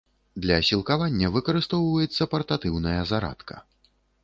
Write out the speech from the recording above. Для сілкавання выкарыстоўваецца партатыўная зарадка.